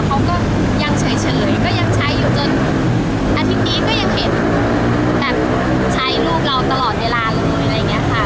เขาก็ยังเฉยก็ยังใช้อยู่จนอาทิตย์นี้ก็ยังเห็นแบบใช้ลูกเราตลอดเวลาเลยอะไรอย่างนี้ค่ะ